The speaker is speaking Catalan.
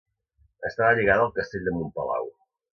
Estava lligada al Castell de Montpalau.